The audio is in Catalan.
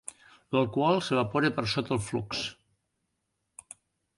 L'alcohol s'evapora per sota el flux.